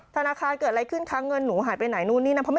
ธนาคารเกิดอะไรขึ้นคะเงินหนูหายไปไหนนู่นนี่นั่น